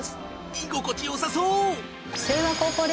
居心地良さそう！